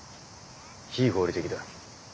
非合理的だ。